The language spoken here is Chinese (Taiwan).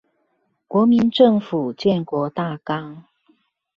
國民政府建國大綱